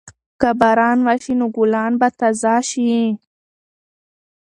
که باران وشي نو ګلان به تازه شي.